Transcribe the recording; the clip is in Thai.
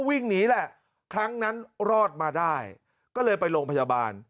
วิ่งหนีแหละครั้งนั้นรอดมาได้ก็เลยไปโรงพยาบาล